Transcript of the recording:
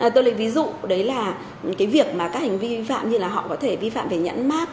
tôi lấy ví dụ đấy là cái việc mà các hành vi vi phạm như là họ có thể vi phạm về nhãn mát